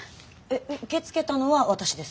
受け付けたのは私です。